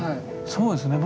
そうですね。